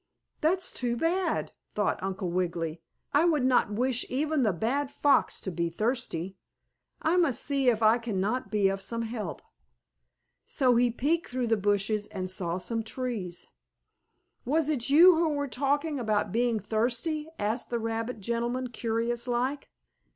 "That's too bad," thought Uncle Wiggily. "I would not wish even the bad fox to be thirsty. I must see if I can not be of some help." So he peeked through the bushes and saw some trees. "Was it you who were talking about being thirsty?" asked the rabbit gentleman, curious like.